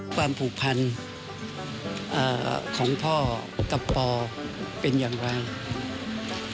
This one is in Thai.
ความผูกพันของพ่อกับปอเป็นอย่างไร